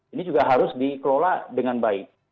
ini juga harus dikelola dengan baik